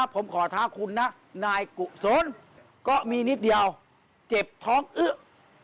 ผมขอท้าคุณนะนายกุศลก็มีนิดเดียวเจ็บท้องอึ๊